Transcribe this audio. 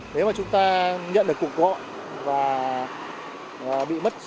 nếu mà chúng ta nhận được cuộc gọi và bị mất